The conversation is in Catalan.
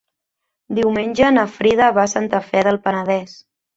Diumenge na Frida va a Santa Fe del Penedès.